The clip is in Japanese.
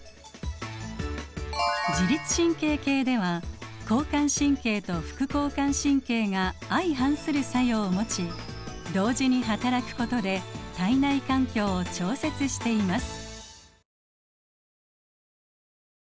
自律神経系では交感神経と副交感神経が相反する作用を持ち同時にはたらくことで体内環境を調節しています。